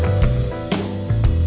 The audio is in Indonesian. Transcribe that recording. gak ada kang